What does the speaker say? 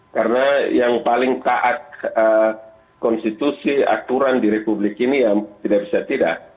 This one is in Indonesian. karena yang paling taat konstitusi aturan di republik ini ya tidak bisa tidak